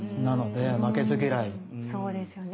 そうですよね